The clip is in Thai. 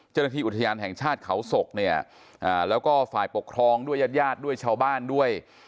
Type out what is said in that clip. เจ้าหน้าที่อุทยานแห่งชาติเขาศกเนี่ยแล้วก็ฝ่ายปกครองด้วยญาติญาติด้วยชาวบ้านด้วย